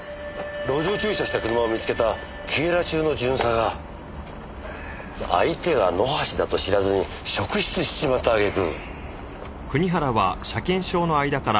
路上駐車した車を見つけた警邏中の巡査が相手が野橋だと知らずに職質しちまったあげく。